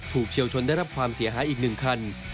ถูกเชี่ยวชนได้รับความเสียหายอีกหนึ่งคัน